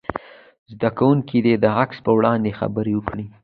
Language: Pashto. زده کوونکي دې د عکس په وړاندې خبرې وکړي.